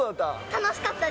楽しかった。